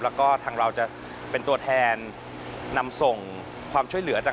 แล้วก็ทางเราจะเป็นตัวแทนนำส่งความช่วยเหลือต่าง